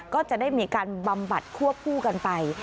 ก็จะได้มีการบำบัดควบคู่กันไป